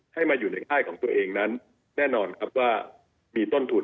ให้มาอยู่ในค่ายของตัวเองนั้นแน่นอนครับว่ามีต้นทุน